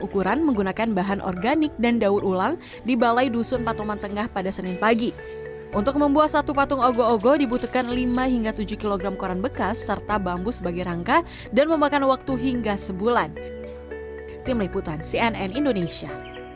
kegiatan serupa juga dilakukan di jawa tenggara